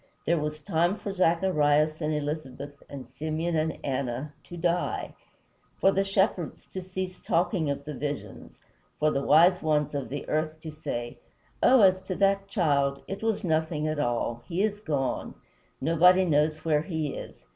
There was time for Zacharias and Elisabeth and Simeon and Anna to die; for the shepherds to cease talking of the visions; for the wise ones of the earth to say, "Oh, as to that child, it was nothing at all! He is gone. Nobody knows where he is.